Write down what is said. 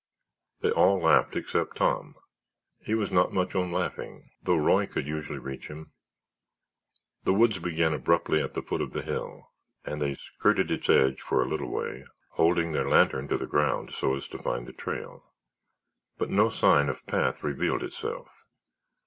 They all laughed except Tom. He was not much on laughing, though Roy could usually reach him. The woods began abruptly at the foot of the hill and they skirted its edge for a little way holding their lantern to the ground so as to find the trail. But no sign of path revealed itself.